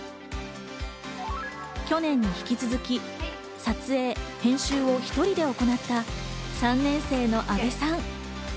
去年に引き続き撮影・編集を１人で行った３年生の阿部さん。